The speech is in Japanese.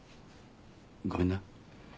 ごめんな。